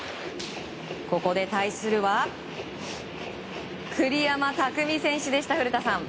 ここで対するは栗山巧選手でした、古田さん。